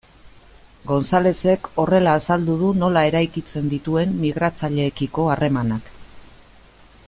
Gonzalezek horrela azaldu du nola eraikitzen dituen migratzaileekiko harremanak.